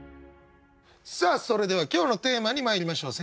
さあそれでは今日のテーマにまいりましょう。